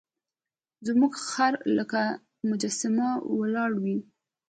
زموږ خر لکه مجسمه ولاړ وي.